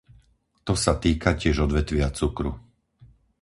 To sa týka tiež odvetvia cukru.